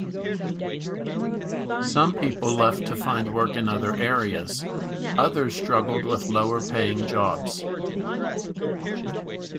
Some people left to find work in other areas; others struggled with lower-paying jobs.